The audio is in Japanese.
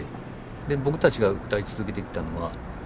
で僕たちが歌い続けてきたのはあの